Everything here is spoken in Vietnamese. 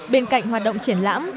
bên cạnh hoạt động triển lãm